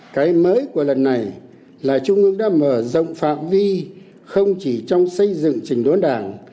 cái mới của lần này là trung ương đã mở rộng phạm vi không chỉ trong xây dựng trình đốn đảng